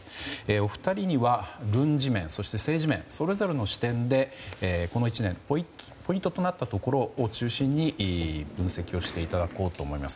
お二人には軍事面、そして政治面それぞれの視点で、この１年ポイントとなったところを中心に分析していただこうと思います。